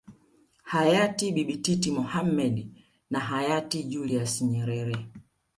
Hayati bibi titi Mohamed na Hayati Julius Nyerere